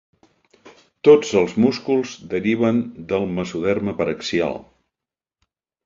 Tots els músculs deriven del mesoderma paraxial.